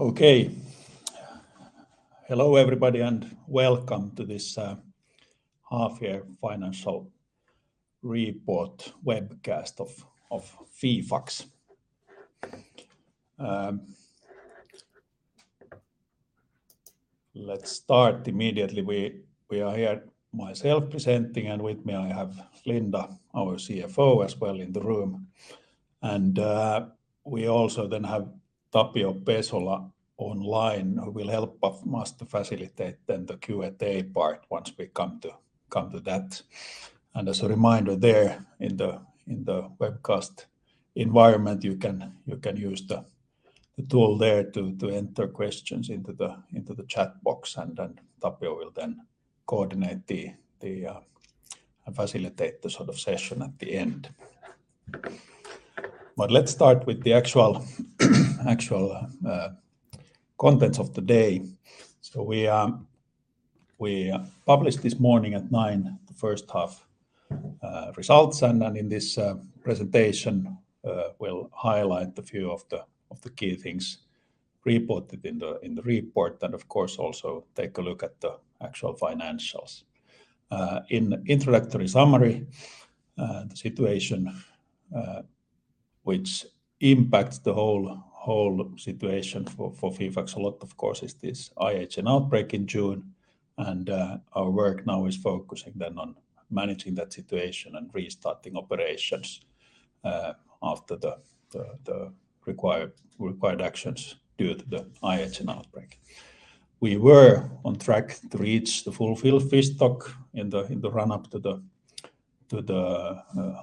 Okay. Hello everybody and welcome to this half year financial report webcast of FIFAX. Let's start immediately. We are here myself presenting, and with me I have Linda, our Chief Financial Officer as well in the room. We also have Tapio Pesola online who will help us to facilitate the Q&A part once we come to that. As a reminder there, in the webcast environment, you can use the tool there to enter questions into the chat box and then Tapio will coordinate and facilitate the sort of session at the end. Let's start with the actual contents of the day. We published this morning at 9:00 A.M. the first half results, and then in this presentation we'll highlight a few of the key things reported in the report and of course also take a look at the actual financials. In introductory summary, the situation which impacts the whole situation for FIFAX a lot of course is this IHN outbreak in June. Our work now is focusing then on managing that situation and restarting operations after the required actions due to the IHN outbreak. We were on track to reach the full feed fish stock in the run-up to the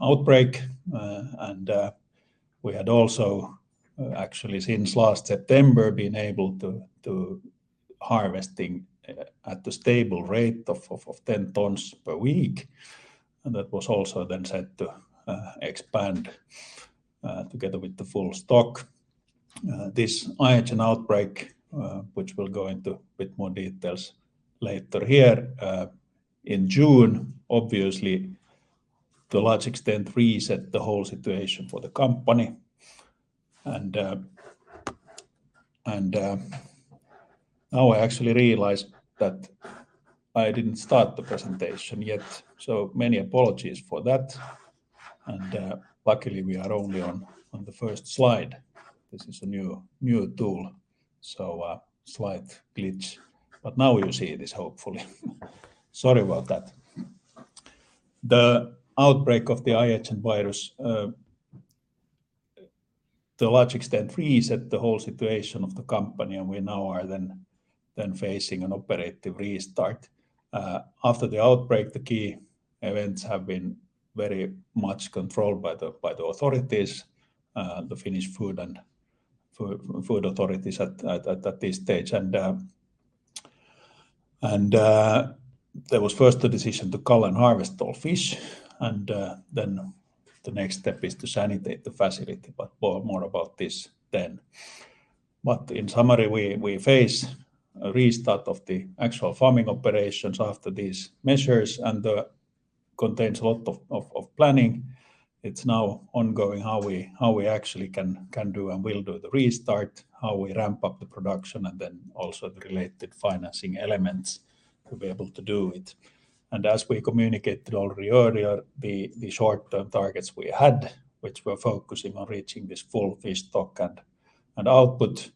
outbreak. We had also actually since last September been able to harvest at a stable rate of 10 tons per week. That was also then set to expand together with the full stock. This IHN outbreak, which we'll go into a bit more details later here, in June, obviously to a large extent reset the whole situation for the company. Now I actually realized that I didn't start the presentation yet, so many apologies for that. Luckily we are only on the first slide. This is a new tool, so slight glitch. Now you see this hopefully. Sorry about that. The outbreak of the IHN virus to a large extent reset the whole situation of the company and we now are then facing an operative restart. After the outbreak, the key events have been very much controlled by the authorities, the Finnish Food Authority at this stage. There was first a decision to cull and harvest all fish, then the next step is to sanitize the facility, but more about this then. In summary, we face a restart of the actual farming operations after these measures, and that contains a lot of planning. It's now ongoing how we actually can do and will do the restart, how we ramp up the production, and then also the related financing elements to be able to do it. As we communicated already earlier, the short-term targets we had, which were focusing on reaching this full fish stock and output,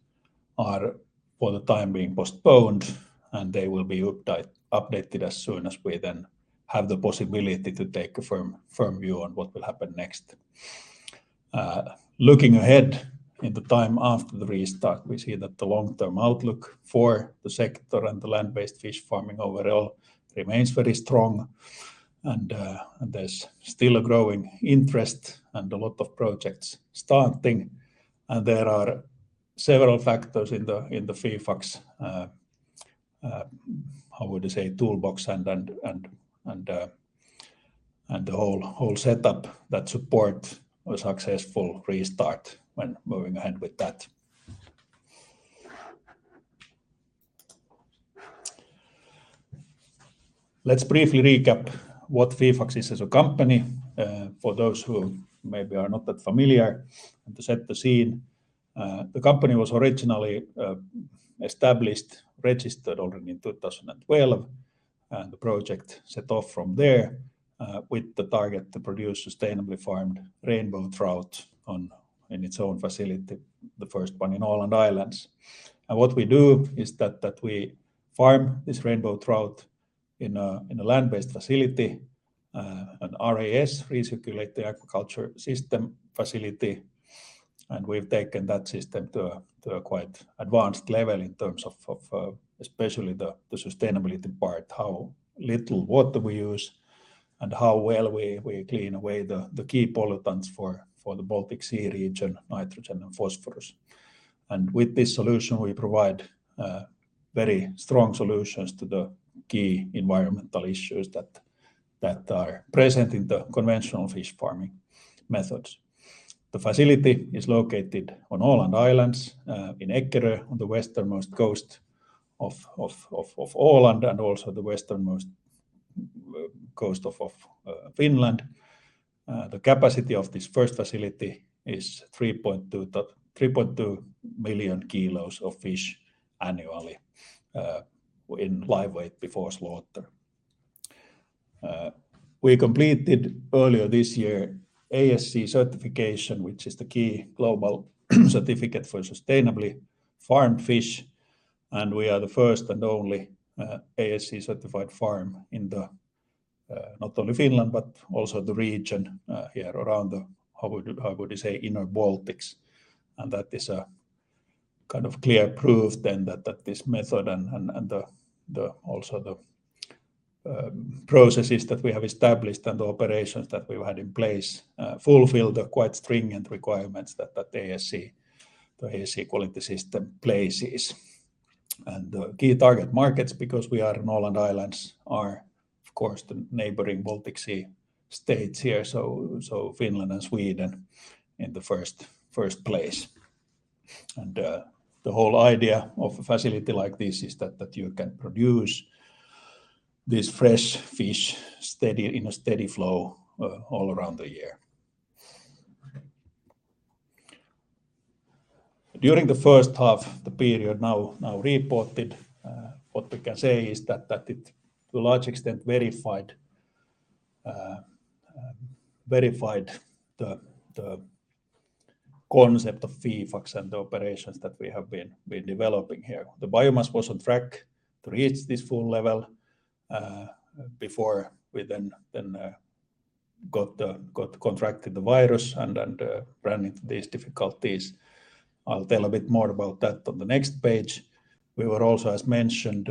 are for the time being postponed and they will be updated as soon as we then have the possibility to take a firm view on what will happen next. Looking ahead in the time after the restart, we see that the long-term outlook for the sector and the land-based fish farming overall remains very strong and there's still a growing interest and a lot of projects starting. There are several factors in the FIFAX, how would you say, toolbox and the whole setup that support a successful restart when moving ahead with that. Let's briefly recap what FIFAX is as a company, for those who maybe are not that familiar and to set the scene. The company was originally established, registered already in 2012, and the project set off from there, with the target to produce sustainably farmed rainbow trout in its own facility, the first one in Åland Islands. What we do is that we farm this rainbow trout in a land-based facility, an RAS, recirculating aquaculture system facility. We've taken that system to a quite advanced level in terms of especially the sustainability part. How little water we use and how well we clean away the key pollutants for the Baltic Sea region, nitrogen and phosphorus. With this solution, we provide very strong solutions to the key environmental issues that are present in the conventional fish farming methods. The facility is located on Åland Islands in Eckerö, on the westernmost coast of Åland and also the westernmost coast of Finland. The capacity of this first facility is 3.2 - 3.2 million kilos of fish annually in live weight before slaughter. We completed earlier this year ASC certification, which is the key global certificate for sustainably farmed fish, and we are the first and only ASC-certified farm in the not only Finland but also the region here around the how would you say inner Baltics. That is a kind of clear proof then that this method and the processes that we have established and the operations that we've had in place fulfill the quite stringent requirements that the ASC quality system places. The key target markets, because we are in Åland Islands, are of course the neighboring Baltic Sea states here, so Finland and Sweden in the first place. The whole idea of a facility like this is that you can produce this fresh fish steady, in a steady flow, all around the year. During the first half, the period now reported, what we can say is that it to a large extent verified the concept of FIFAX and the operations that we have been developing here. The biomass was on track to reach this full level before we then contracted the virus and ran into these difficulties. I'll tell a bit more about that on the next page. We were also, as mentioned,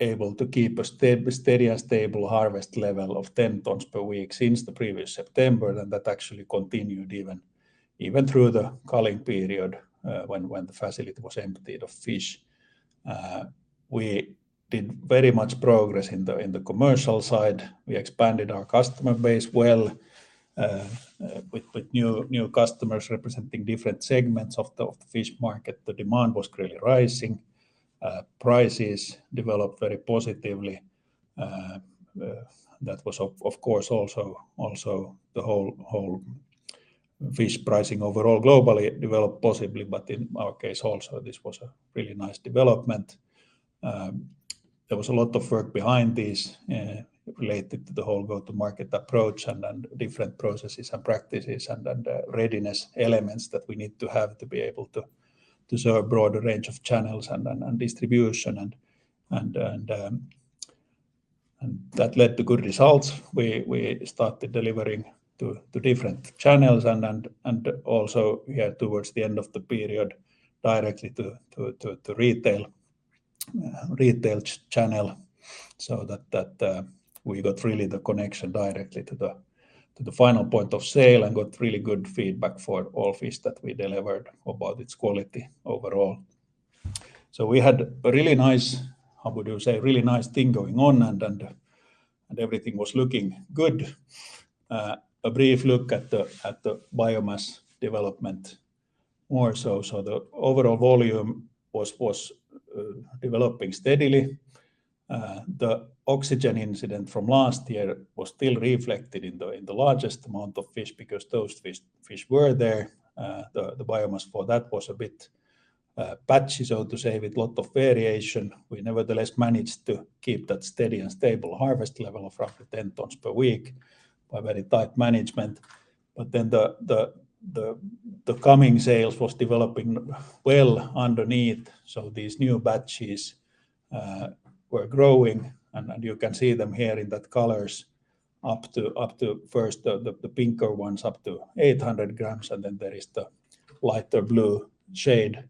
able to keep a steady and stable harvest level of 10 tons per week since the previous September, and that actually continued even through the culling period when the facility was emptied of fish. We did very much progress in the commercial side. We expanded our customer base well with new customers representing different segments of the fish market. The demand was really rising. Prices developed very positively. That was of course also the whole fish pricing overall globally developed positively, but in our case also this was a really nice development. There was a lot of work behind this related to the whole go-to-market approach and different processes and practices and readiness elements that we need to have to be able to serve a broader range of channels and distribution and that led to good results. We started delivering to different channels and also here towards the end of the period directly to retail channel. That we got really the connection directly to the final point of sale and got really good feedback for all fish that we delivered about its quality overall. We had a really nice, how would you say, really nice thing going on and everything was looking good. A brief look at the biomass development more so. The overall volume was developing steadily. The oxygen incident from last year was still reflected in the largest amount of fish because those fish were there. The biomass for that was a bit patchy, so to say, with a lot of variation. We nevertheless managed to keep that steady and stable harvest level of roughly 10 tons per week by very tight management. The coming sales was developing well underneath, so these new batches were growing and you can see them here in that colors up to first the pinker ones up to 800 grams, and then there is the lighter blue shade,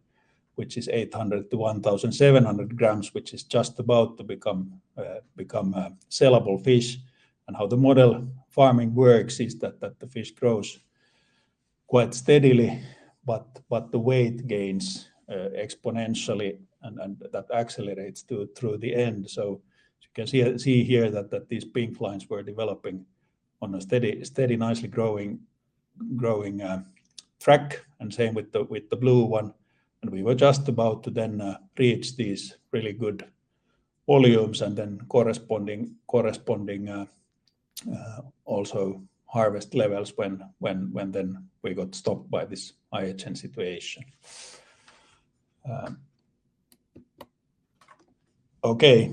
which is 800 to 1,700 grams, which is just about to become a sellable fish. How the model farming works is that the fish grows quite steadily but the weight gains exponentially and that accelerates through the end. As you can see here that these pink lines were developing on a steady nicely growing track and same with the blue one. We were just about to then reach these really good volumes and then corresponding also harvest levels when then we got stopped by this IHN situation. Okay.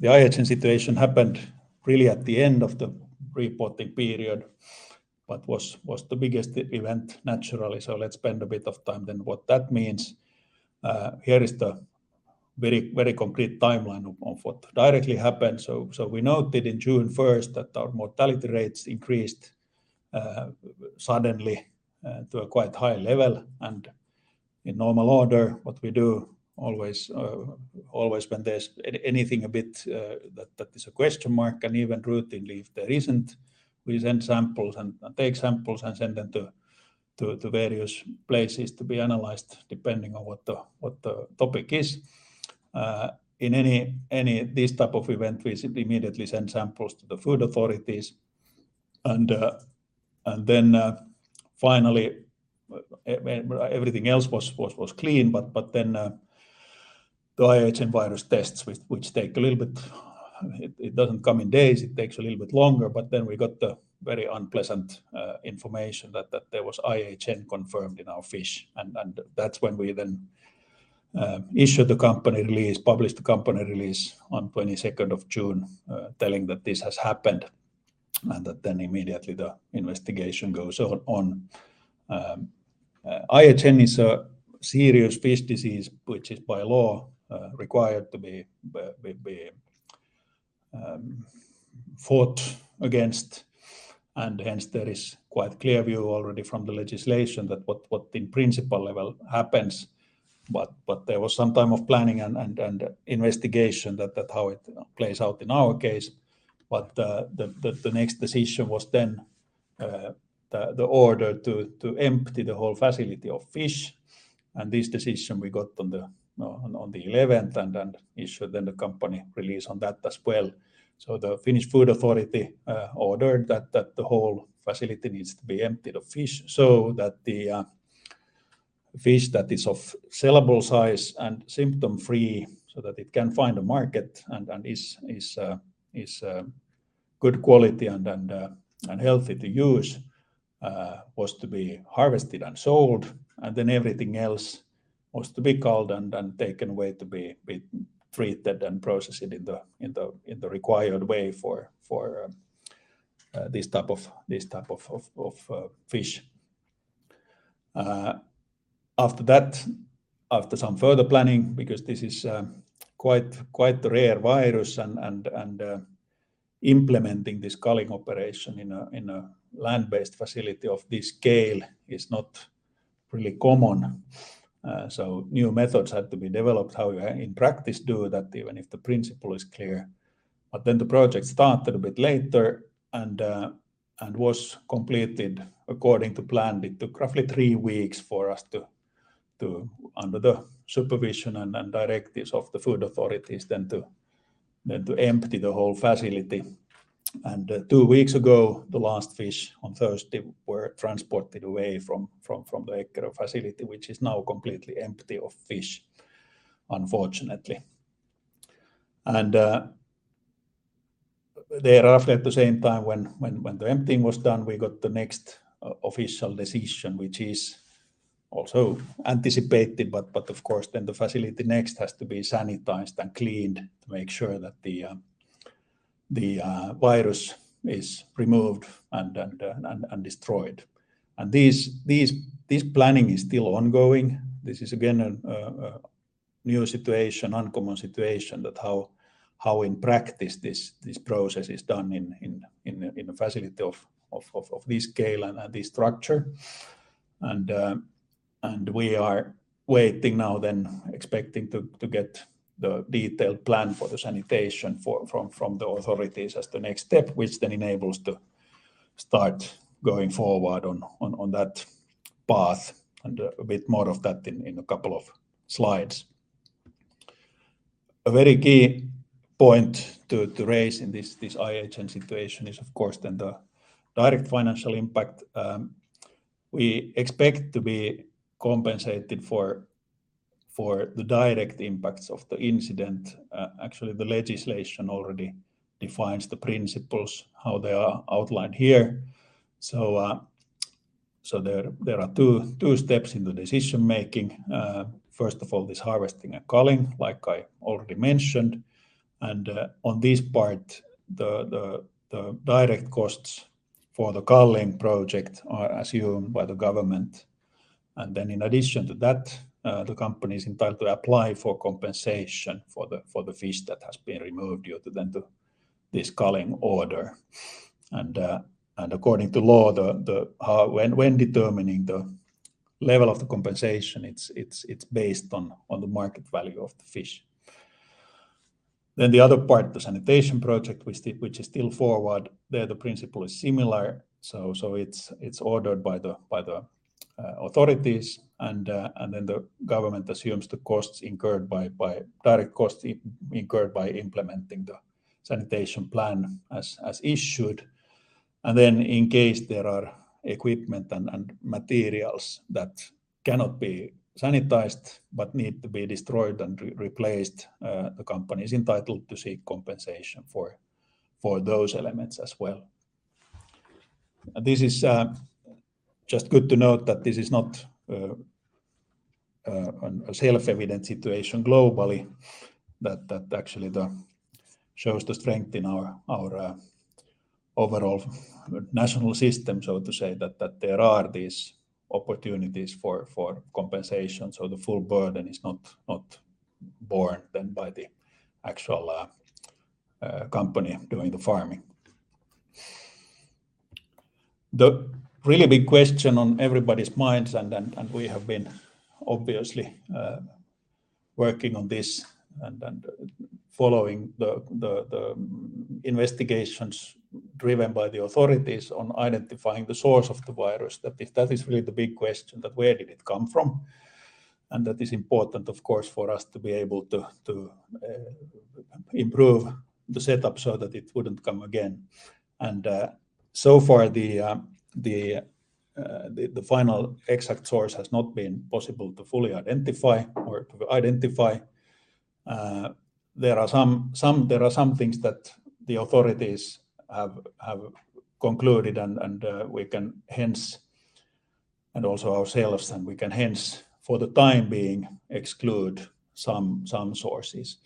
The IHN situation happened really at the end of the reporting period, but was the biggest event naturally. Let's spend a bit of time then what that means. Here is the very complete timeline of what directly happened. We noted in June first that our mortality rates increased suddenly to a quite high level. In normal order, what we do always when there's anything a bit that is a question mark and even routinely if there isn't, we send samples and take samples and send them to various places to be analyzed depending on what the topic is. In any this type of event, we immediately send samples to the Finnish Food Authority. Then finally, but everything else was clean. Then the IHN virus tests, which take a little bit, it doesn't come in days, it takes a little bit longer. Then we got the very unpleasant information that there was IHN confirmed in our fish. That's when we then issued the company release, published the company release on 22nd of June, telling that this has happened, and that then immediately the investigation goes on. IHN is a serious fish disease which is by law required to be fought against. Hence there is quite clear view already from the legislation that what in principle level happens. There was some time of planning and investigation that how it plays out in our case. The next decision was then the order to empty the whole facility of fish. This decision we got on the 11th and issued then the company release on that as well. The Finnish Food Authority ordered that the whole facility needs to be emptied of fish so that the fish that is of sellable size and symptom-free so that it can find a market and is good quality and healthy to use was to be harvested and sold, and then everything else was to be culled and taken away to be treated and processed in the required way for this type of fish. After that, after some further planning, because this is quite rare virus and implementing this culling operation in a land-based facility of this scale is not really common, new methods had to be developed. How do you in practice do that, even if the principle is clear. Then the project started a bit later and was completed according to plan. It took roughly three weeks for us to, under the supervision and directives of the food authorities, then to empty the whole facility. Two weeks ago, the last fish on Thursday were transported away from the Eckerö facility, which is now completely empty of fish, unfortunately. Then, roughly at the same time when the emptying was done, we got the next official decision, which is also anticipated. Of course, then the facility next has to be sanitized and cleaned to make sure that the virus is removed and destroyed. This planning is still ongoing. This is again a new situation, uncommon situation that's how in practice this process is done in a facility of this scale and this structure. We are waiting now then expecting to get the detailed plan for the sanitation from the authorities as the next step, which then enables to start going forward on that path. A bit more of that in a couple of slides. A very key point to raise in this IHN situation is of course the direct financial impact. We expect to be compensated for the direct impacts of the incident. Actually, the legislation already defines the principles, how they are outlined here. There are two steps in the decision-making. First of all, this harvesting and culling, like I already mentioned. On this part, the direct costs for the culling project are assumed by the government. In addition to that, the company is entitled to apply for compensation for the fish that has been removed due to this culling order. According to law, when determining the level of the compensation, it's based on the market value of the fish. The other part, the sanitation project, which is still forward there, the principle is similar. It's ordered by the authorities and the government assumes the direct costs incurred by implementing the sanitation plan as issued. Then in case there are equipment and materials that cannot be sanitized but need to be destroyed and replaced, the company is entitled to seek compensation for those elements as well. This is just good to note that this is not a self-evident situation globally. That actually shows the strength in our overall national system. To say that there are these opportunities for compensation. The full burden is not borne then by the actual company doing the farming. The really big question on everybody's minds and we have been obviously working on this and following the investigations driven by the authorities on identifying the source of the virus. That is really the big question that where did it come from? That is important, of course, for us to be able to improve the setup so that it wouldn't come again. So far the final exact source has not been possible to fully identify. There are some things that the authorities have concluded, and also ourselves, and we can hence, for the time being, exclude some sources.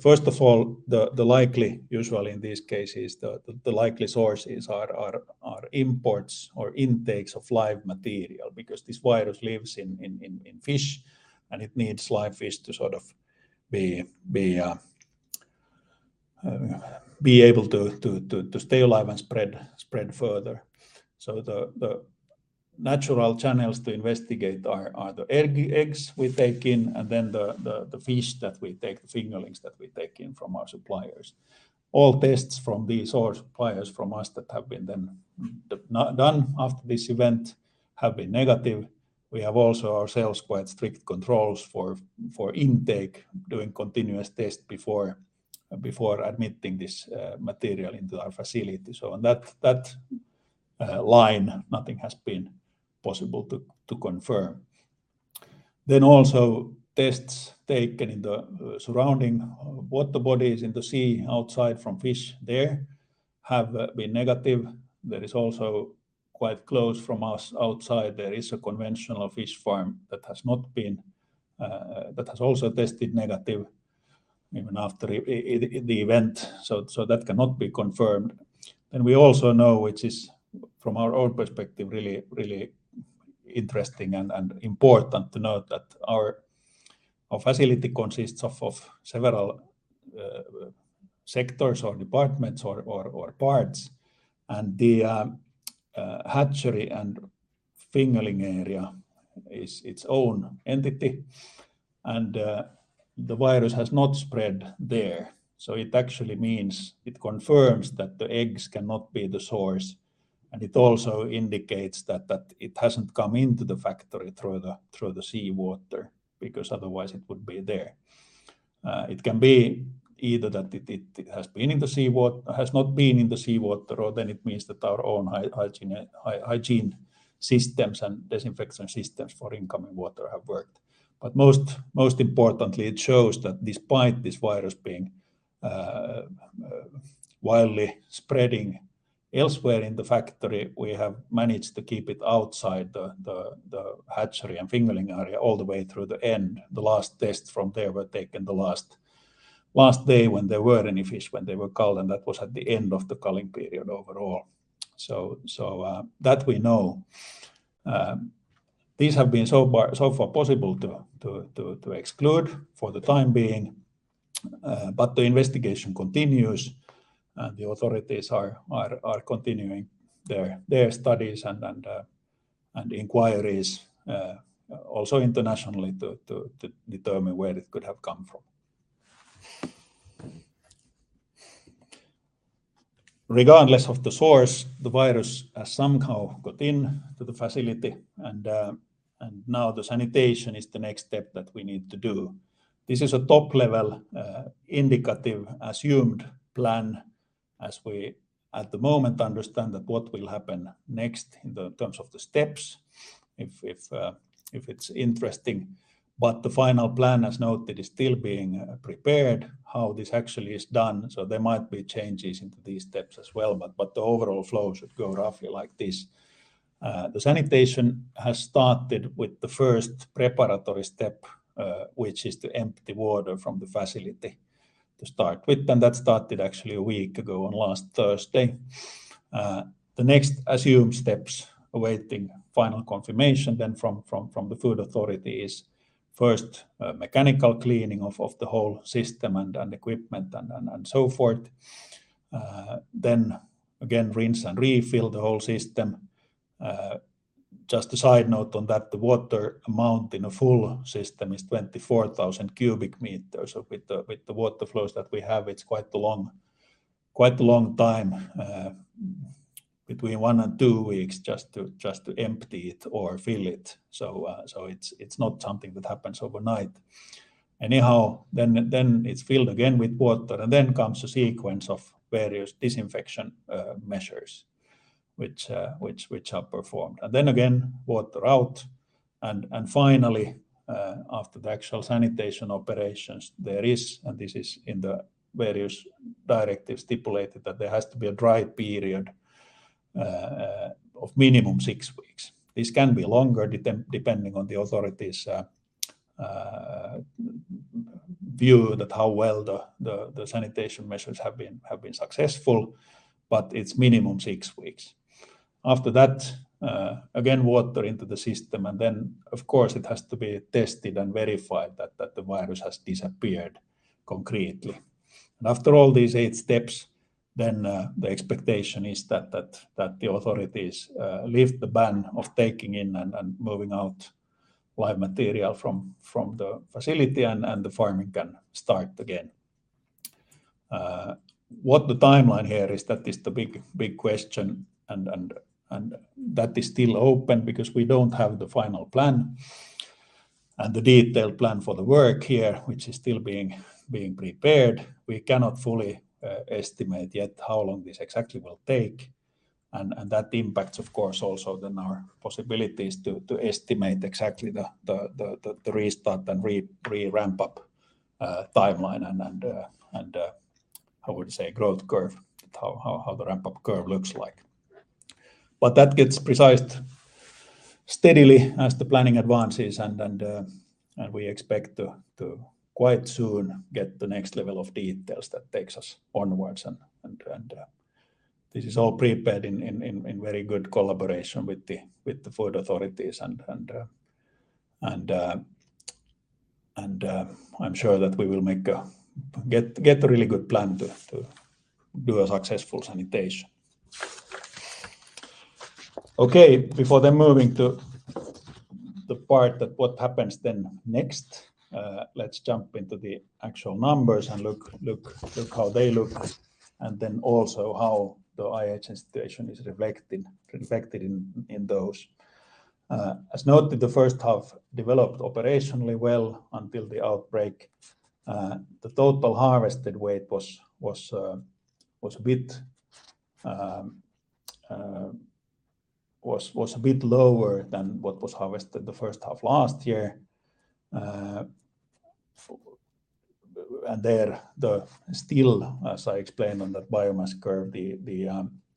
First of all, usually in these cases, the likely sources are imports or intakes of live material because this virus lives in fish, and it needs live fish to sort of be able to stay alive and spread further. The natural channels to investigate are the eggs we take in and then the fish that we take, the fingerlings that we take in from our suppliers. All tests from these source suppliers that have been done after this event have been negative. We have also quite strict controls for intake, doing continuous tests before admitting this material into our facility. On that line, nothing has been possible to confirm. Also tests taken in the surrounding water bodies in the sea outside from fish there have been negative. There is also quite close from us outside. There is a conventional fish farm that has not been that has also tested negative even after the event. That cannot be confirmed. We also know, which is from our own perspective, really interesting and important to note that our facility consists of several sectors or departments or parts and the hatchery and fingerling area is its own entity and the virus has not spread there. It actually means it confirms that the eggs cannot be the source and it also indicates that it hasn't come into the factory through the seawater because otherwise it would be there. It can be either that it has not been in the seawater or then it means that our own hygiene systems and disinfection systems for incoming water have worked. Most importantly, it shows that despite this virus being wildly spreading elsewhere in the factory, we have managed to keep it outside the hatchery and fingerling area all the way through the end. The last tests from there were taken the last day when there were any fish when they were culled, and that was at the end of the culling period overall, that we know. These have been so far possible to exclude for the time being, but the investigation continues and the authorities are continuing their studies and inquiries, also internationally to determine where it could have come from. Regardless of the source, the virus has somehow got into the facility and now the sanitation is the next step that we need to do. This is a top-level indicative assumed plan as we at the moment understand that what will happen next in the terms of the steps if it's interesting. The final plan, as noted, is still being prepared how this actually is done. There might be changes into these steps as well, but the overall flow should go roughly like this. The sanitation has started with the first preparatory step, which is to empty water from the facility to start with. That started actually a week ago on last Thursday. The next assumed steps awaiting final confirmation then from the Finnish Food Authority is first, mechanical cleaning of the whole system and equipment and so forth. Then again rinse and refill the whole system. Just a side note on that, the water amount in a full system is 24,000 cubic meters. So with the water flows that we have, it's quite a long time between one week -two weeks just to empty it or fill it. It's not something that happens overnight. Anyhow, then it's filled again with water, and then comes a sequence of various disinfection measures which are performed. Then again, water out and finally, after the actual sanitation operations, there is, and this is in the various directives stipulated, that there has to be a dry period of minimum six weeks. This can be longer depending on the authorities' view that how well the sanitation measures have been successful, but it's minimum six weeks. After that, again, water into the system, and then of course it has to be tested and verified that the virus has disappeared concretely. After all these eight steps, then, the expectation is that the authorities lift the ban of taking in and moving out live material from the facility and the farming can start again. What the timeline here is, that is the big question and that is still open because we don't have the final plan and the detailed plan for the work here, which is still being prepared. We cannot fully estimate yet how long this exactly will take and that impacts of course also then our possibilities to estimate exactly the restart and re-ramp up timeline and how would say growth curve, how the ramp up curve looks like. That gets precise steadily as the planning advances, and we expect to quite soon get the next level of details that takes us onwards. This is all prepared in very good collaboration with the food authorities, and I'm sure that we will get a really good plan to do a successful sanitation. Okay. Before then moving to the part that what happens then next, let's jump into the actual numbers and look how they look, and then also how the IHN situation is reflected in those. As noted, the first half developed operationally well until the outbreak. The total harvested weight was a bit lower than what was harvested the first half last year. And there, still, as I explained on that biomass curve, the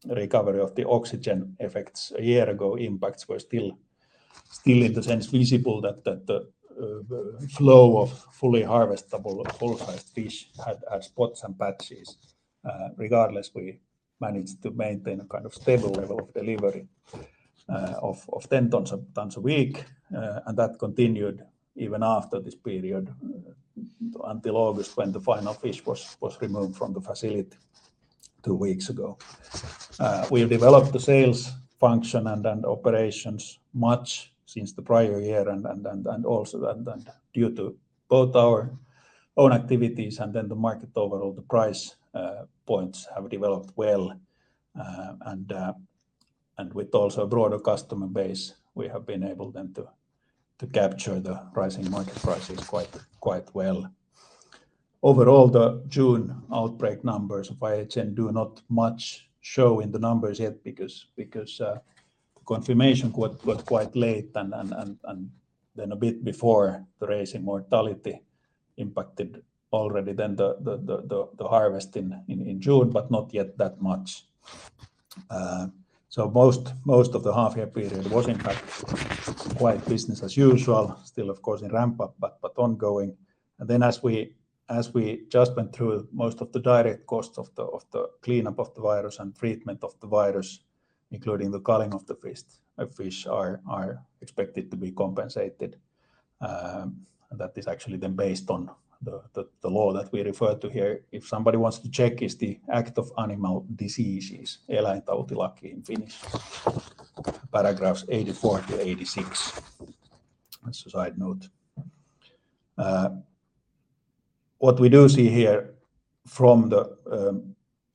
recovery of the oxygen effects a year ago impacts were still visible in the sense that the flow of fully harvestable full size fish had spots and patches. Regardless, we managed to maintain a kind of stable level of delivery of 10 tons a week. That continued even after this period until August, when the final fish was removed from the facility two weeks ago. We have developed the sales function and then operations much since the prior year and also then due to both our own activities and then the market overall, the price points have developed well. With also a broader customer base, we have been able then to capture the rising market prices quite well. Overall, the June outbreak numbers of IHN do not much show in the numbers yet because confirmation got quite late and then a bit before the rise in mortality impacted already then the harvest in June, but not yet that much. Most of the half year period was in fact quite business as usual. Still of course in ramp up, but ongoing. As we just went through most of the direct costs of the cleanup of the virus and treatment of the virus, including the culling of the fish are expected to be compensated. That is actually then based on the law that we refer to here. If somebody wants to check, it's the Animal Diseases Act. Eläintautilaki in Finnish. Paragraphs 84-86. That's a side note. What we do see here from the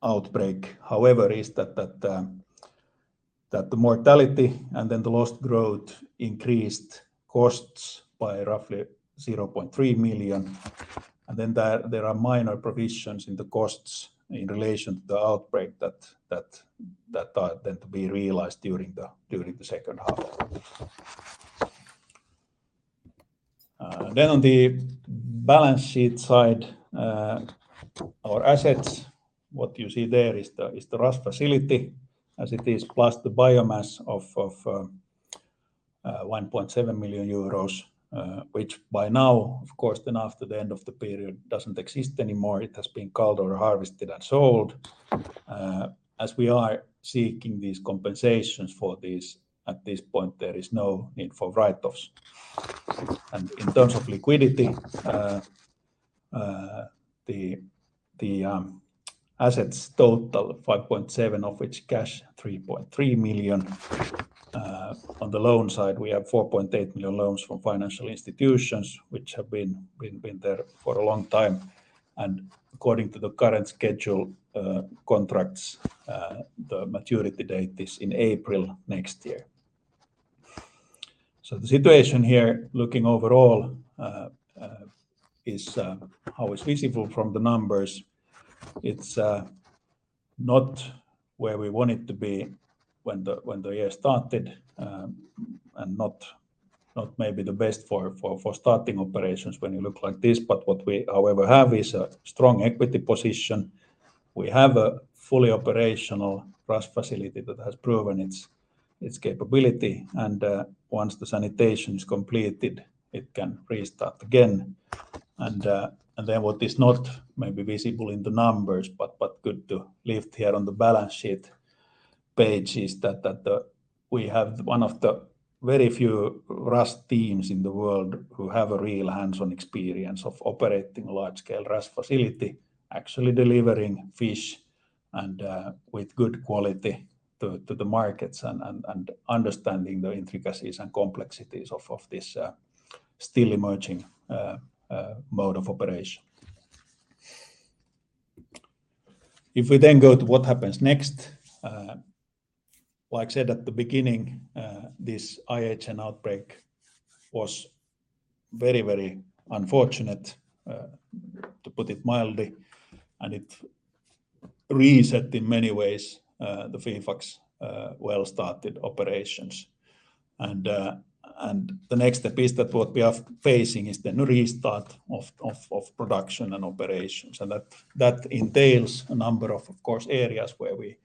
outbreak, however, is that the mortality and then the lost growth increased costs by roughly 0.3 million. There are minor provisions in the costs in relation to the outbreak that are then to be realized during the second half. On the balance sheet side, our assets, what you see there is the RAS facility as it is, plus the biomass of 1.7 million euros, which by now of course then after the end of the period doesn't exist anymore. It has been culled or harvested and sold. As we are seeking these compensations for this, at this point, there is no need for write-offs. In terms of liquidity, the assets total 5.7 million, of which cash 3.3 million. On the loan side, we have 4.8 million loans from financial institutions which have been there for a long time. According to the current schedule, contracts, the maturity date is in April next year. The situation here, looking overall, is how it's visible from the numbers. It's not where we want it to be when the year started, and not maybe the best for starting operations when you look like this. What we however have is a strong equity position. We have a fully operational RAS facility that has proven its capability. Once the sanitation is completed, it can restart again. What is not maybe visible in the numbers, but good to lift here on the balance sheet page is that we have one of the very few RAS teams in the world who have a real hands-on experience of operating a large scale RAS facility, actually delivering fish with good quality to the markets and understanding the intricacies and complexities of this still emerging mode of operation. If we then go to what happens next, like I said at the beginning, this IHN outbreak was very unfortunate, to put it mildly, and it reset in many ways the FIFAX well-started operations. The next step is that what we are facing is the restart of production and operations. That entails a number of course, areas where we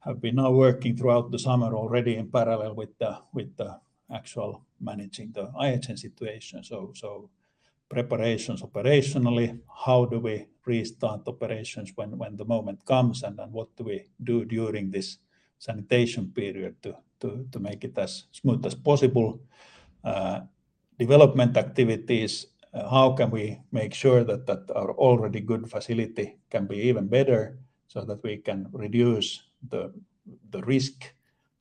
have been now working throughout the summer already in parallel with the actual managing the IHN situation. Preparations operationally, how do we restart operations when the moment comes? What do we do during this sanitation period to make it as smooth as possible? Development activities, how can we make sure that our already good facility can be even better so that we can reduce the risk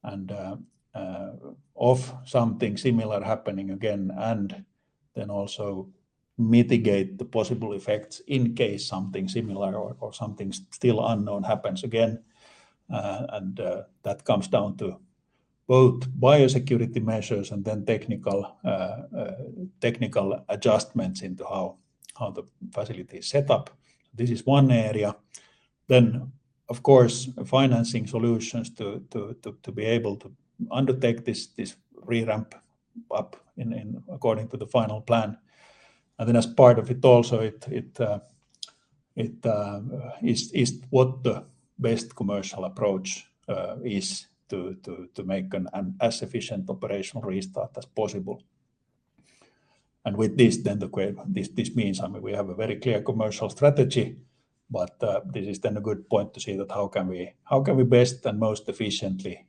and of something similar happening again? Then also mitigate the possible effects in case something similar or something still unknown happens again. That comes down to both biosecurity measures and then technical adjustments into how the facility is set up. This is one area. Of course, financing solutions to be able to undertake this re-ramp up in accordance with the final plan. As part of it also, is what the best commercial approach is to make an as efficient operational restart as possible. With this means, I mean, we have a very clear commercial strategy, but this is a good point to see how we can best and most efficiently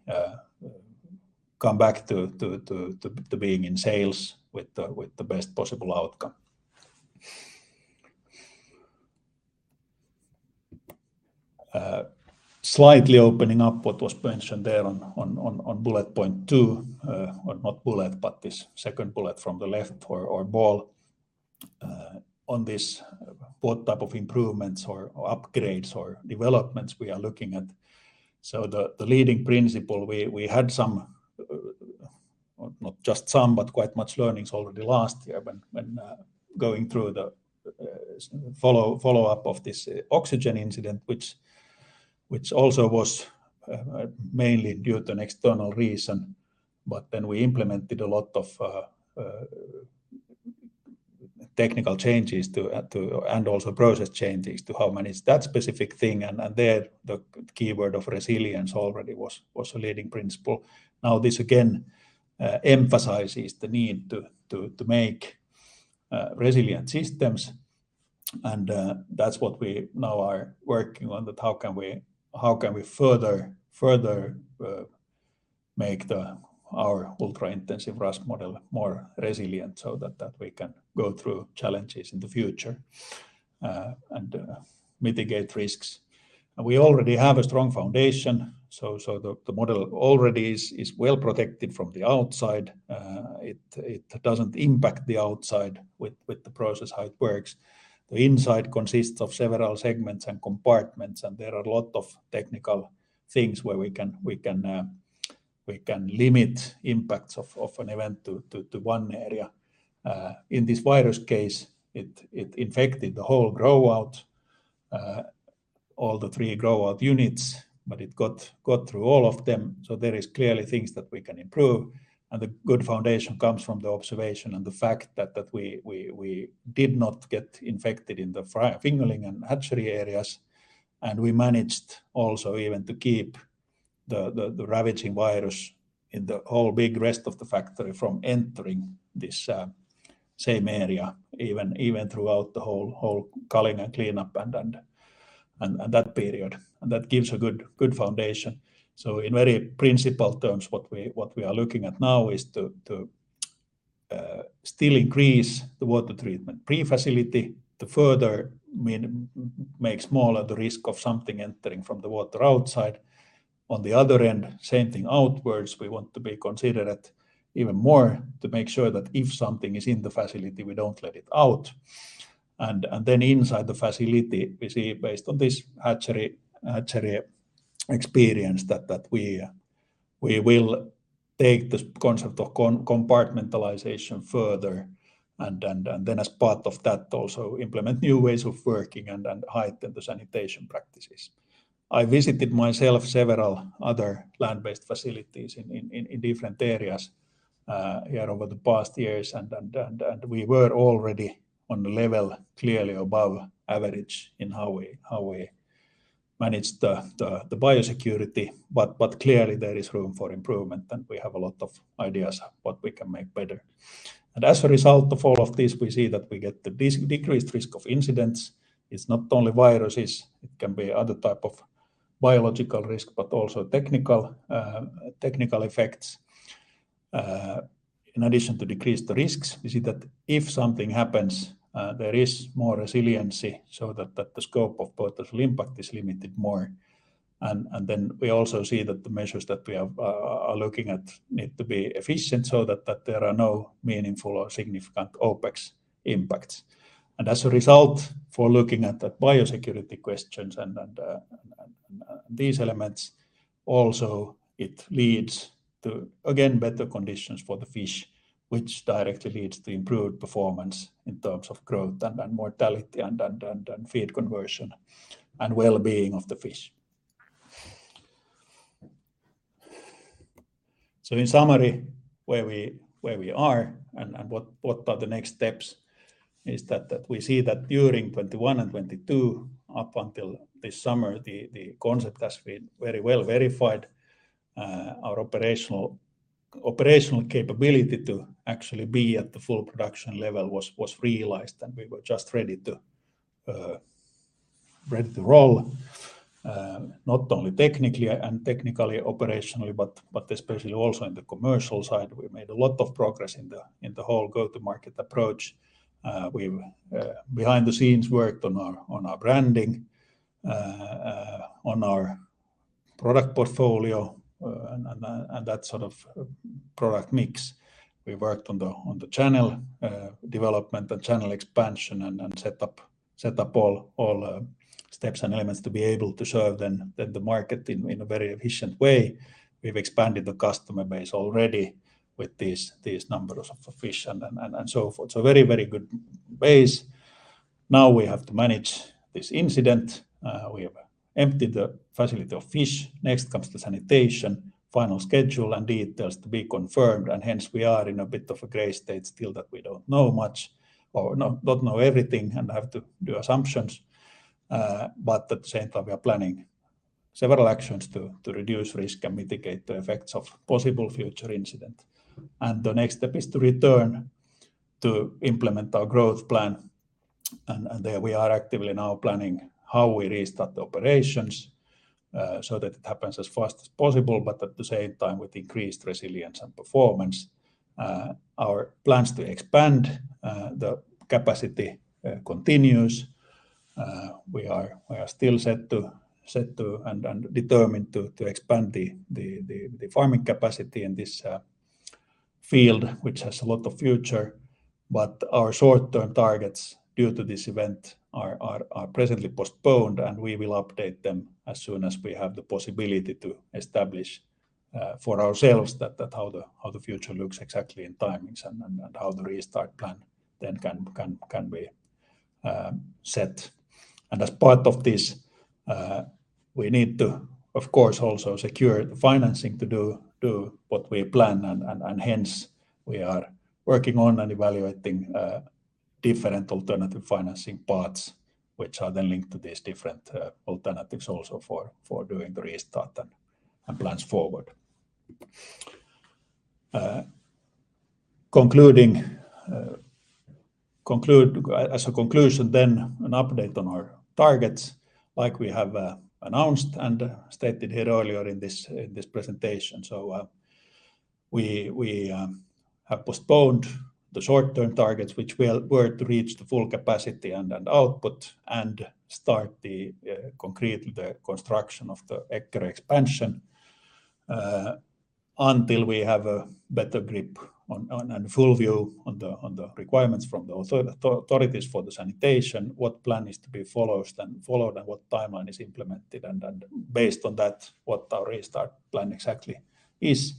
come back to being in sales with the best possible outcome. Slightly opening up what was mentioned there on bullet point two, or not bullet, but this second bullet from the left or bullet, on this, what type of improvements or upgrades or developments we are looking at. The leading principle, we had some, not just some, but quite much learnings already last year when going through the follow-up of this oxygen incident, which also was mainly due to an external reason. Then we implemented a lot of technical changes to, and also process changes to how manage that specific thing. And there the key word of resilience already was a leading principle. Now, this again emphasizes the need to make resilient systems. That's what we now are working on, how can we further make our ultra-intensive RAS model more resilient so that we can go through challenges in the future and mitigate risks. We already have a strong foundation. The model already is well protected from the outside. It doesn't impact the outside with the process, how it works. The inside consists of several segments and compartments, and there are a lot of technical things where we can limit impacts of an event to one area. In this virus case, it infected the whole grow-out, all three grow-out units, but it got through all of them. There is clearly things that we can improve. The good foundation comes from the observation and the fact that we did not get infected in the fry-fingerling and hatchery areas. We managed also even to keep the ravaging virus in the whole big rest of the factory from entering this same area, even throughout the whole culling and cleanup and that period. That gives a good foundation. In very principled terms, what we are looking at now is to still increase the water treatment pre-facility to further make smaller the risk of something entering from the water outside. On the other end, same thing outwards. We want to be considerate even more to make sure that if something is in the facility, we don't let it out. Inside the facility, we see based on this hatchery experience that we will take this concept of compartmentalization further and then as part of that also implement new ways of working and heighten the sanitation practices. I visited myself several other land-based facilities in different areas here over the past years. We were already on a level clearly above average in how we manage the biosecurity. Clearly there is room for improvement, and we have a lot of ideas what we can make better. As a result of all of this, we see that we get the decreased risk of incidents. It's not only viruses. It can be other type of biological risk, but also technical effects. In addition to decrease the risks, we see that if something happens, there is more resiliency so that the scope of potential impact is limited more. We also see that the measures that we are looking at need to be efficient so that there are no meaningful or significant OpEx impacts. As a result of looking at the biosecurity questions and these elements, it also leads to, again, better conditions for the fish, which directly leads to improved performance in terms of growth and mortality and feed conversion and well-being of the fish. In summary, where we are and what are the next steps is that we see that during 2021 and 2022, up until this summer, the concept has been very well verified. Our operational capability to actually be at the full production level was realized, and we were just ready to roll. Not only technically and operationally, but especially also in the commercial side. We made a lot of progress in the whole go-to-market approach. We've behind the scenes worked on our branding, on our product portfolio, and that sort of product mix. We worked on the channel development and channel expansion and set up all steps and elements to be able to serve the market in a very efficient way. We've expanded the customer base already with these numbers of fish and so forth. Very good base. Now we have to manage this incident. We have emptied the facility of fish. Next comes the sanitation, final schedule and details to be confirmed, and hence we are in a bit of a gray state still that we don't know much or not everything and have to do assumptions. But at the same time we are planning several actions to reduce risk and mitigate the effects of possible future incident. The next step is to return to implement our growth plan. There we are actively now planning how we restart the operations, so that it happens as fast as possible, but at the same time with increased resilience and performance. Our plans to expand the capacity continues. We are still set to and determined to expand the farming capacity in this field, which has a lot of future. Our short-term targets due to this event are presently postponed, and we will update them as soon as we have the possibility to establish for ourselves that how the future looks exactly in timings and how the restart plan then can be set. As part of this, we need to, of course, also secure the financing to do what we plan. Hence we are working on and evaluating different alternative financing parts, which are then linked to these different alternatives also for doing the restart and plans forward. As a conclusion then, an update on our targets like we have announced and stated here earlier in this presentation. We have postponed the short-term targets, which we'll work to reach the full capacity and output and start the concrete construction of the Eckerö expansion until we have a better grip on and full view on the requirements from the authorities for the sanitation, what plan is to be followed, and what timeline is implemented and based on that, what our restart plan exactly is.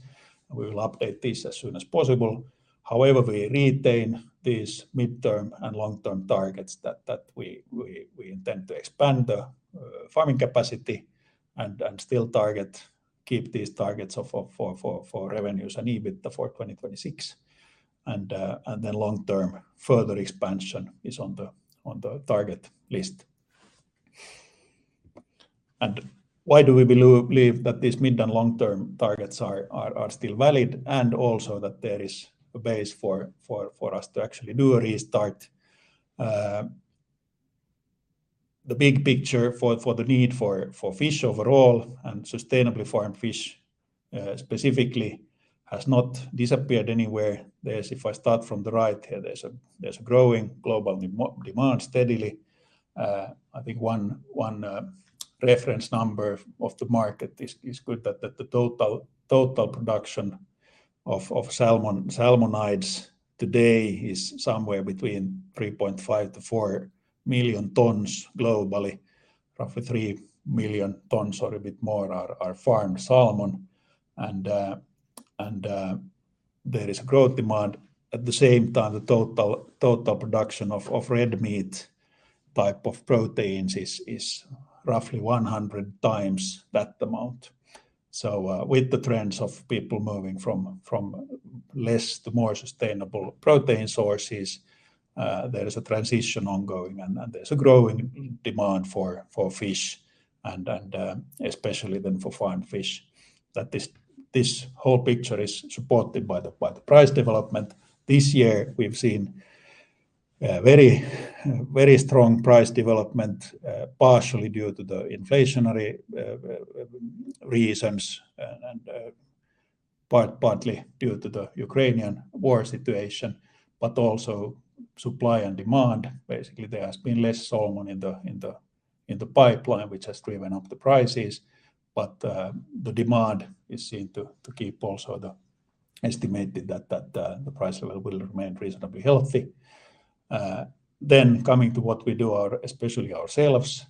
We will update this as soon as possible. However, we retain these midterm and long-term targets that we intend to expand the farming capacity and still target, keep these targets of revenues and EBIT for 2026. Long term further expansion is on the target list. Why do we believe that these mid and long-term targets are still valid and also that there is a basis for us to actually do a restart? The big picture for the need for fish overall and sustainably farmed fish, specifically has not disappeared anywhere. If I start from the right here, there is a growing global demand steadily. I think one reference number of the market is good that the total production of salmonids today is somewhere between 3.5-4 million tons globally. Roughly 3 million tons or a bit more are farmed salmon. There is a growing demand. At the same time, the total production of red meat type of proteins is roughly 100x that amount. With the trends of people moving from less to more sustainable protein sources, there is a transition ongoing and there's a growing demand for fish and especially then for farmed fish that this whole picture is supported by the price development. This year, we've seen very, very strong price development, partially due to the inflationary reasons and partly due to the Ukrainian war situation, but also supply and demand. Basically, there has been less salmon in the pipeline, which has driven up the prices. The demand is seen to keep, also. It's estimated that the price level will remain reasonably healthy. Coming to what we do, especially ourselves.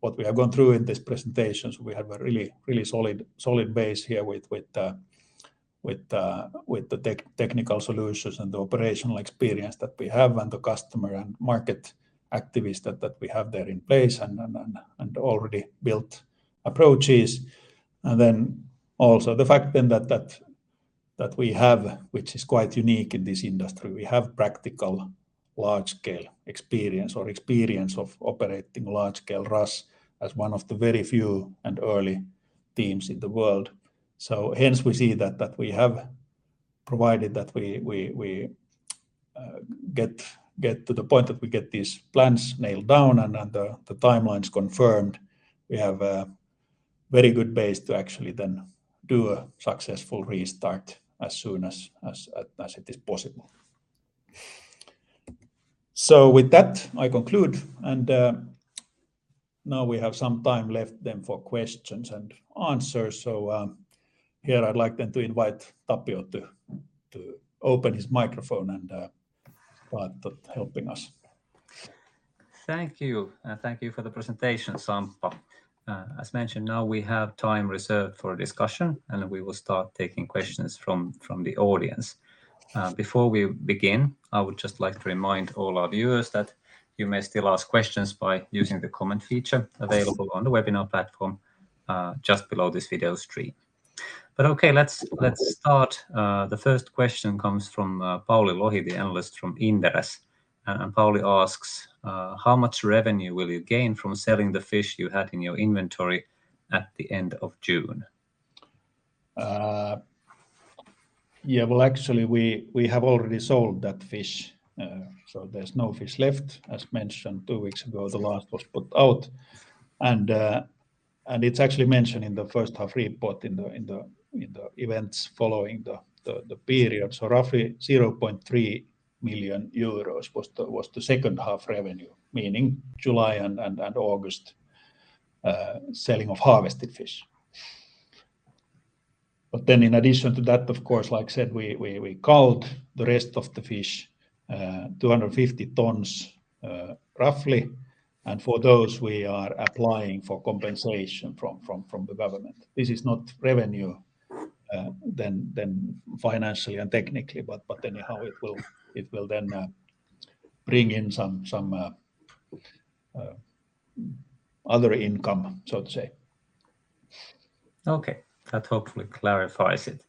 What we have gone through in this presentation is we have a really solid base here with the technical solutions and the operational experience that we have and the customer and market activities that we have there in place and already built approaches. Then also the fact that we have, which is quite unique in this industry, practical large scale experience of operating large scale RAS as one of the very few and early teams in the world. Hence we see that we have provided that we get to the point that we get these plans nailed down and the timelines confirmed. We have a very good base to actually then do a successful restart as soon as it is possible. With that, I conclude and now we have some time left then for questions and answers. Here I'd like then to invite Tapio to open his microphone and start helping us. Thank you. Thank you for the presentation, Samppa. As mentioned, now we have time reserved for discussion, and we will start taking questions from the audience. Before we begin, I would just like to remind all our viewers that you may still ask questions by using the comment feature available on the webinar platform, just below this video stream. Okay, let's start. The first question comes from Pauli Lohi, the analyst from Inderes. Pauli asks, how much revenue will you gain from selling the fish you had in your inventory at the end of June? Yeah, well, actually, we have already sold that fish, so there's no fish left. As mentioned two weeks ago, the last was put out. It's actually mentioned in the first half report in the events following the period. Roughly 0.3 million euros was the second half revenue, meaning July and August, selling of harvested fish. In addition to that, of course, like I said, we culled the rest of the fish, 250 tons, roughly. For those, we are applying for compensation from the government. This is not revenue, financially and technically, but anyhow, it will then bring in some other income, so to say. Okay. That hopefully clarifies it.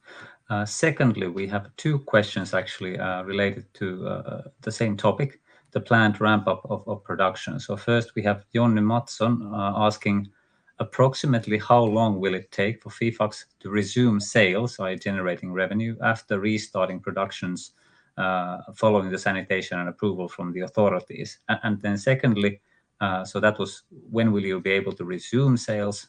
Secondly, we have two questions actually, related to, the same topic, the planned ramp up of production. First we have Johnny Mattsson asking approximately how long will it take for FIFAX to resume sales by generating revenue after restarting productions, following the sanitation and approval from the authorities? And then secondly, so that was when will you be able to resume sales?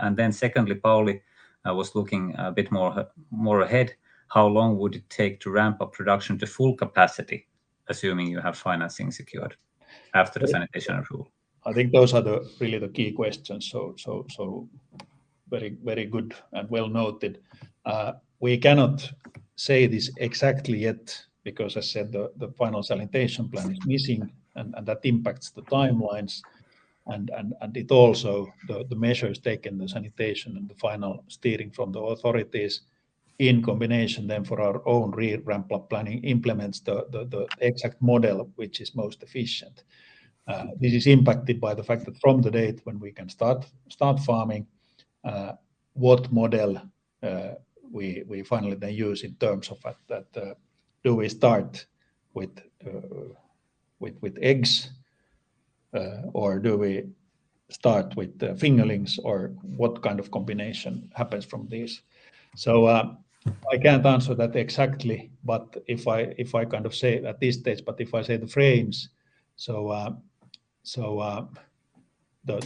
And then secondly, Pauli was looking a bit more ahead. How long would it take to ramp up production to full capacity, assuming you have financing secured after the sanitation approval? I think those are really the key questions. Very good and well noted. We cannot say this exactly yet because I said the final sanitation plan is missing and that impacts the timelines and it also the measures taken, the sanitation and the final steering from the authorities in combination then for our own ramp up planning implements the exact model which is most efficient. This is impacted by the fact that from the date when we can start farming what model we finally then use in terms of that do we start with eggs or do we start with fingerlings or what kind of combination happens from this? I can't answer that exactly, but if I kind of say at this stage, the timeframes,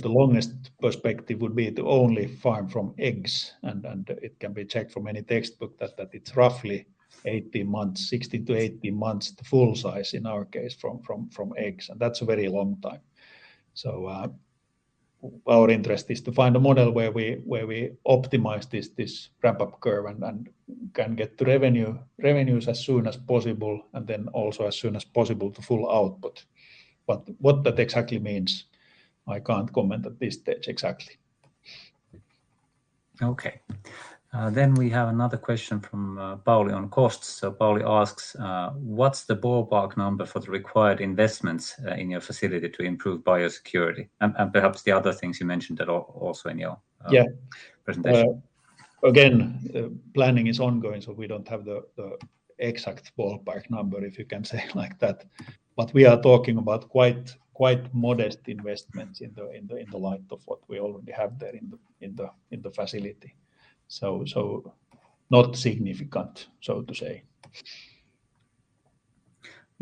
the longest perspective would be to only farm from eggs. It can be checked from any textbook that it's roughly 18 months, 16 months-18 months to full size in our case from eggs. That's a very long time. Our interest is to find a model where we optimize this ramp up curve and can get to revenues as soon as possible and then also as soon as possible to full output. What that exactly means, I can't comment at this stage exactly. Okay. We have another question from Pauli on costs. Pauli asks, what's the ballpark number for the required investments in your facility to improve biosecurity? Perhaps the other things you mentioned at all also in your Yeah presentation. Well, again, planning is ongoing, so we don't have the exact ballpark number, if you can say like that. But we are talking about quite modest investments in the light of what we already have there in the facility. So not significant, so to say.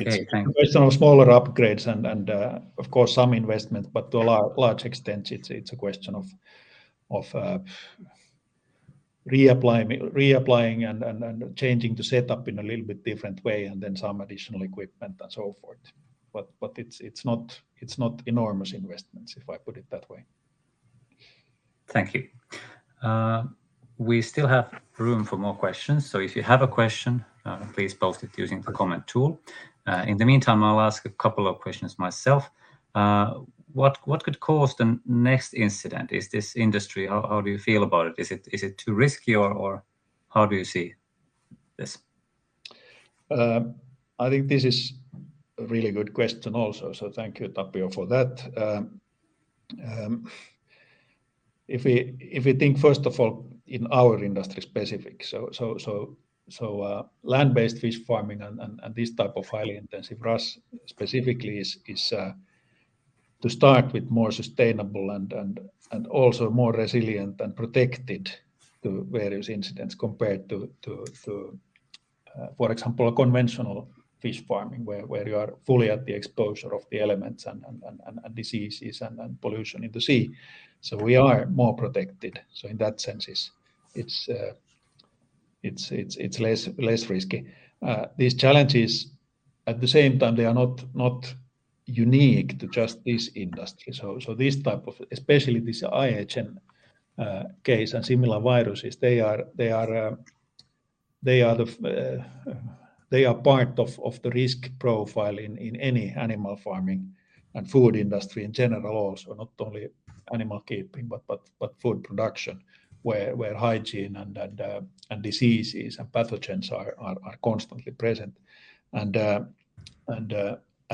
Okay. Thank you. It's personal smaller upgrades and of course some investment, but to a large extent it's a question of reapplying and changing the setup in a little bit different way and then some additional equipment and so forth. It's not enormous investments, if I put it that way. Thank you. We still have room for more questions, so if you have a question, please post it using the comment tool. In the meantime, I'll ask a couple of questions myself. What could cause the next incident? Is this industry? How do you feel about it? Is it too risky or how do you see this? I think this is a really good question also, so thank you Tapio for that. If we think first of all in our industry-specific. Land-based fish farming and this type of highly intensive RAS specifically is to start with more sustainable and also more resilient and protected to various incidents compared to for example, conventional fish farming where you are fully at the exposure of the elements and diseases and pollution in the sea. We are more protected. In that sense it's less risky. These challenges at the same time, they are not unique to just this industry. This type of, especially this IHN case and similar viruses, they are part of the risk profile in any animal farming and food industry in general also, not only animal keeping, but food production where hygiene and diseases and pathogens are constantly present.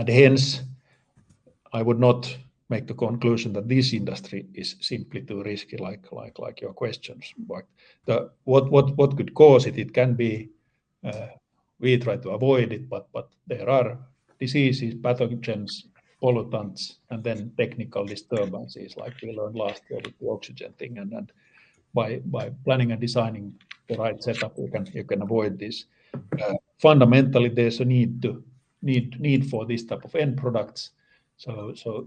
Hence, I would not make the conclusion that this industry is simply too risky like your questions. But what could cause it? It can be, we try to avoid it, but there are diseases, pathogens, pollutants, and then technical disturbances like we learned last year with the oxygen thing. Then by planning and designing the right setup, you can avoid this. Fundamentally, there's a need for this type of end products.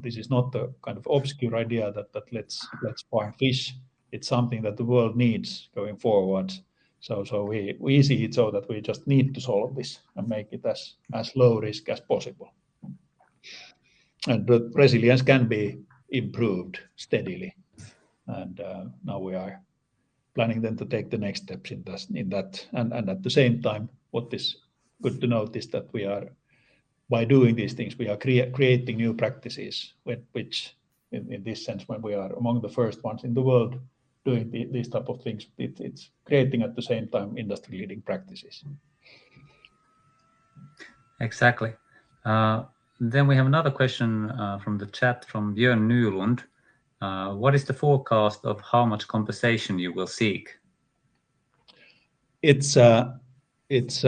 This is not the kind of obscure idea that let's farm fish. It's something that the world needs going forward. We see it so that we just need to solve this and make it as low risk as possible. The resilience can be improved steadily. Now we are planning to take the next steps in this. At the same time, what is good to note is that we are, by doing these things, creating new practices which in this sense, when we are among the first ones in the world doing these type of things, it's creating at the same time industry-leading practices. Exactly. We have another question from the chat from Björn Nyland. What is the forecast of how much compensation you will seek? It's based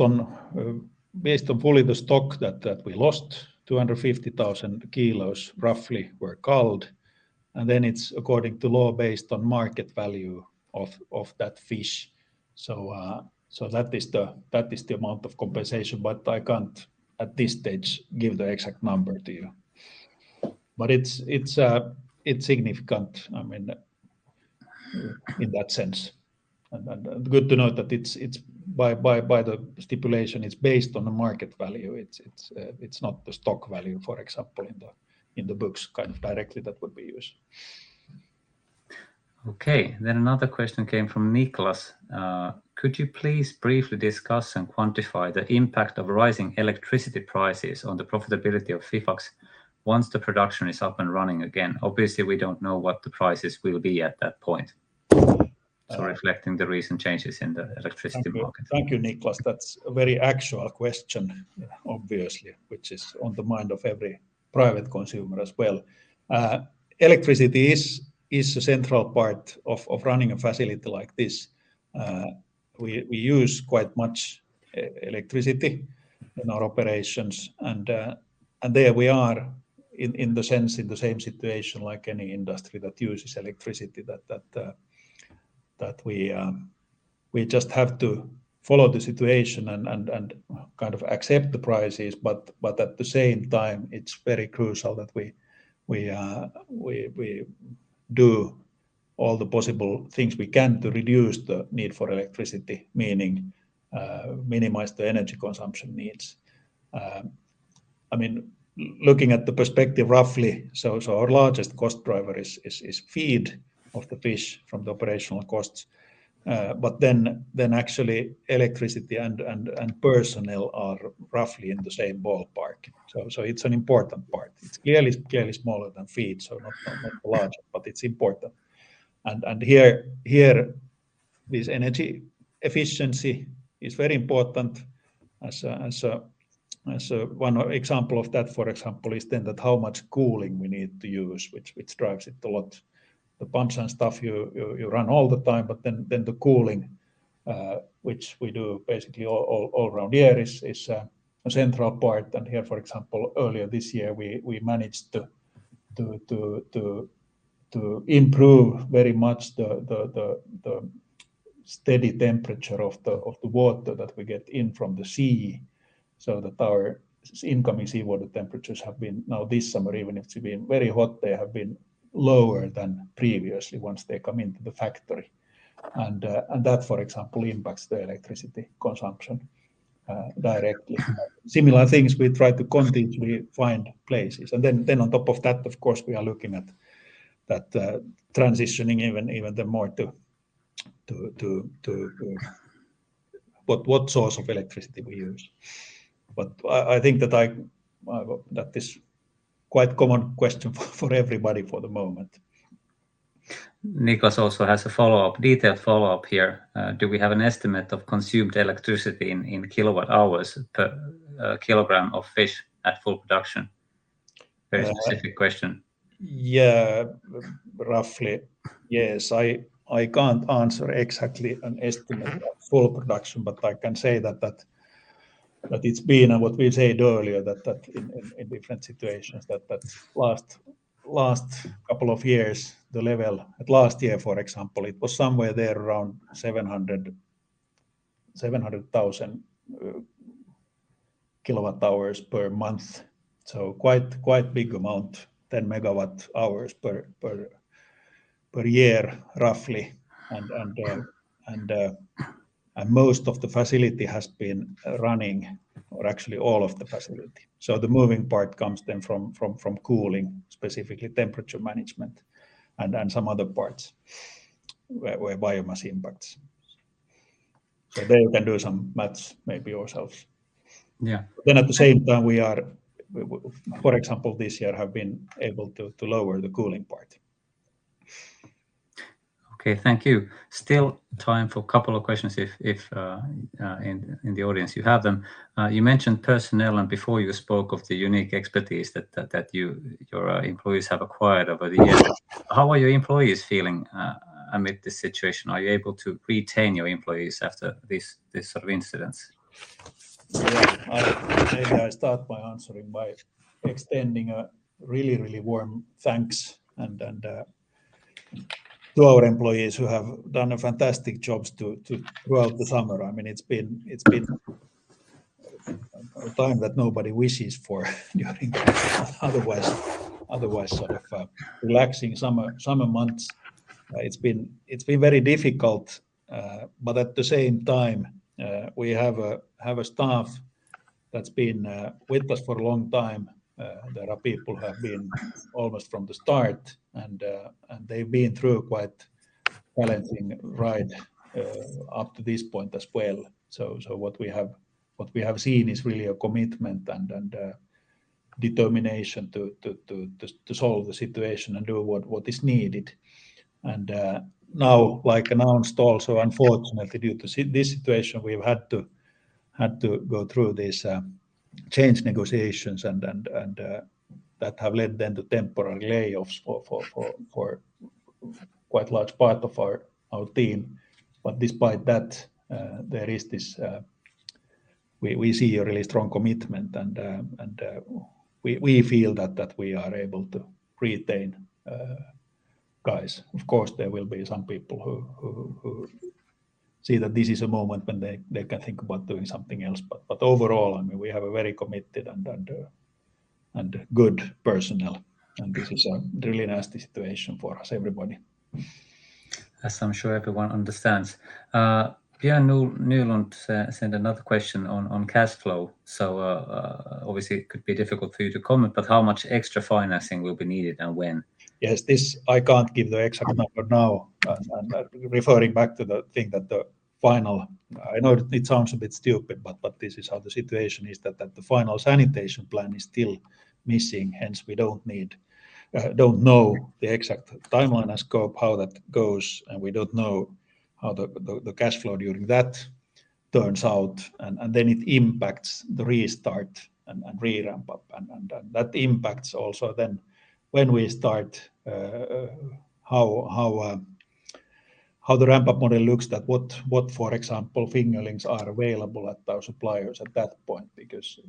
on the full stock that we lost. 250,000 kilos roughly were culled. Then it's according to law based on market value of that fish. That is the amount of compensation, but I can't at this stage give the exact number to you. It's significant, I mean, in that sense. Good to note that it's by the stipulation, it's based on the market value. It's not the stock value, for example, in the books kind of directly that would be used. Okay. Another question came from Nicholas. Could you please briefly discuss and quantify the impact of rising electricity prices on the profitability of Fifax once the production is up and running again? Obviously, we don't know what the prices will be at that point. Reflecting the recent changes in the electricity market. Thank you. Thank you, Nicholas. That's a very actual question, obviously, which is on the mind of every private consumer as well. Electricity is a central part of running a facility like this. We use quite much electricity in our operations and there we are in the sense in the same situation like any industry that uses electricity that we just have to follow the situation and kind of accept the prices. At the same time, it's very crucial that we do all the possible things we can to reduce the need for electricity, meaning minimize the energy consumption needs. I mean, looking at the perspective roughly, so our largest cost driver is feed for the fish in the operational costs. Actually electricity and personnel are roughly in the same ballpark. It's an important part. It's clearly smaller than feed, so not large, but it's important. Here, this energy efficiency is very important as a one example of that. For example, is then that how much cooling we need to use, which drives it a lot. The pumps and stuff you run all the time, but then the cooling, which we do basically all around the year is a central part. Here, for example, earlier this year, we managed to improve very much the steady temperature of the water that we get in from the sea, so that our incoming seawater temperatures have been... This summer, even if it's been very hot, they have been lower than previously once they come into the factory. That, for example, impacts the electricity consumption directly. Similar things we try to continually find places. Then on top of that, of course, we are looking at that, transitioning even more to what source of electricity we use. I think that is quite common question for everybody for the moment. Niklas also has a follow-up, detailed follow-up here. Do we have an estimate of consumed electricity in kilowatt hours per kilogram of fish at full production? Very specific question. Yeah. Roughly, yes. I can't answer exactly an estimate of full production, but I can say that it's been what we said earlier that in different situations the last couple of years, the level. At last year, for example, it was somewhere there around 700,000 kWh per month. So quite big amount, 10 MWh per year, roughly. Most of the facility has been running, or actually all of the facility. The moving part comes then from cooling, specifically temperature management and some other parts where biomass impacts. There you can do some math maybe yourselves. Yeah. At the same time, we, for example, this year have been able to lower the cooling part. Okay. Thank you. Still time for a couple of questions if in the audience you have them. You mentioned personnel, and before you spoke of the unique expertise that your employees have acquired over the years. How are your employees feeling amid this situation? Are you able to retain your employees after this sort of incidents? Yeah. Maybe I start by answering by extending a really, really warm thanks and to our employees who have done a fantastic jobs to throughout the summer. I mean, it's been a time that nobody wishes for during otherwise sort of relaxing summer months. It's been very difficult. But at the same time, we have a staff that's been with us for a long time. There are people who have been almost from the start, and they've been through quite challenging ride up to this point as well. What we have seen is really a commitment and determination to solve the situation and do what is needed. Now, like announced also, unfortunately, due to this situation, we've had to go through this change negotiations and that have led then to temporary layoffs for quite large part of our team. Despite that, there is this. We see a really strong commitment and we feel that we are able to retain guys. Of course, there will be some people who see that this is a moment when they can think about doing something else. Overall, I mean, we have a very committed and good personnel, and this is a really nasty situation for us, everybody. As I'm sure everyone understands. Janne Nylund sent another question on cash flow. Obviously it could be difficult for you to comment, but how much extra financing will be needed and when? Yes. This I can't give the exact number now. Referring back to the thing. I know it sounds a bit stupid, but this is how the situation is that the final sanitation plan is still missing, hence we don't know the exact timeline and scope, how that goes, and we don't know how the cash flow during that turns out. Then it impacts the restart and re-ramp-up. That impacts also then when we start, how the ramp-up model looks that what, for example, fingerlings are available at our suppliers at that point because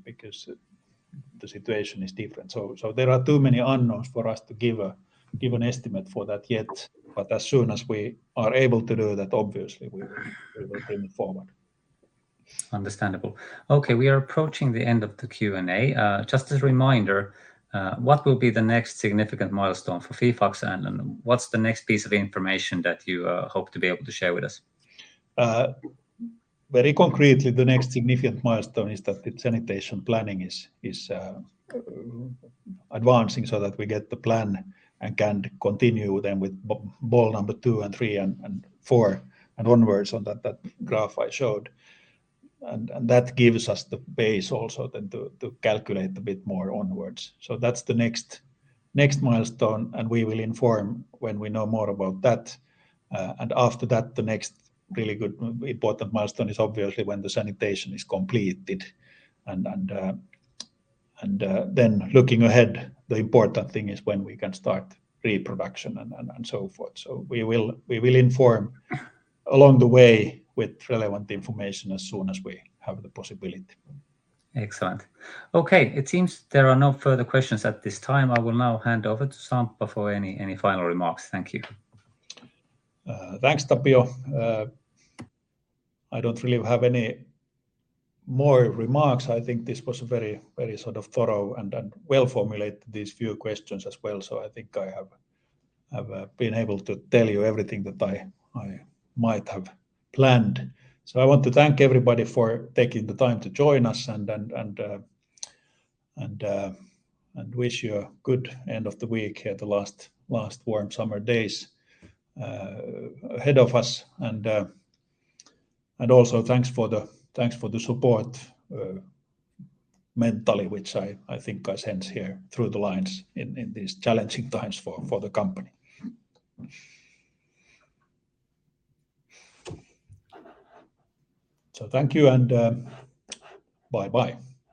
the situation is different. There are too many unknowns for us to give an estimate for that yet. As soon as we are able to do that, obviously we will bring it forward. Understandable. Okay. We are approaching the end of the Q&A. Just as a reminder, what will be the next significant milestone for Fifax, and what's the next piece of information that you hope to be able to share with us? Very concretely, the next significant milestone is that the sanitation planning is advancing so that we get the plan and can continue then with ball number two and three and four and onwards on that graph I showed. That gives us the base also then to calculate a bit more onwards. That's the next milestone, and we will inform when we know more about that. After that, the next really good important milestone is obviously when the sanitation is completed. Then looking ahead, the important thing is when we can start reproduction and so forth. We will inform along the way with relevant information as soon as we have the possibility. Excellent. Okay. It seems there are no further questions at this time. I will now hand over to Sampa for any final remarks. Thank you. Thanks, Tapio. I don't really have any more remarks. I think this was very sort of thorough and well-formulated, these few questions as well. I think I have been able to tell you everything that I might have planned. I want to thank everybody for taking the time to join us and wish you a good end of the week here, the last warm summer days ahead of us. Also thanks for the support mentally, which I think I sense here through the lines in these challenging times for the company. Thank you and bye-bye.